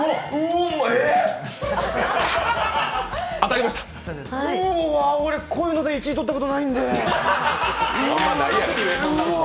うわ、俺こういうので１位取ったことないんで。